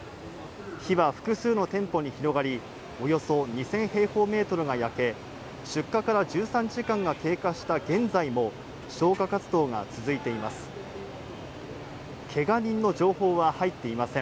火は複数の店舗に広がり、およそ２０００平方メートルが焼け、出火から１３時間が経過した現在も、消火活動が続いています。